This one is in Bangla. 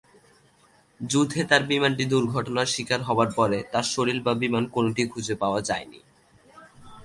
যুদ্ধে তার বিমানটি দুর্ঘটনার শিকার হবার পরে তার শরীর বা বিমান কোনটিই খুজে পাওয়া যায়নি।